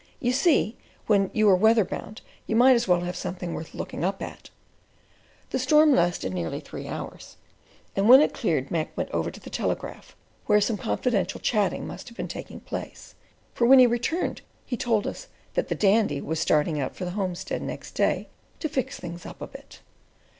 You see, when you are weather bound, you might as well have something worth looking at." The storm lasted nearly three hours, and when it cleared Mac went over to the Telegraph, where some confidential chatting must have taken place, for when he returned he told us that the Dandy was starting out for the homestead next day to "fix things up a bit."